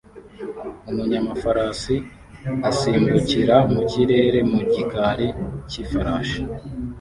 Umunyamafarasi asimbukira mu kirere mu gikari cy'ifarashi